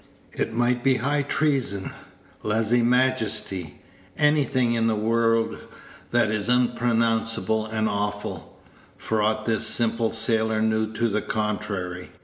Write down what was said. It might be high treason, leze majesty anything in the world that is unpronounceable and awful for aught this simple sailor knew to the contrary.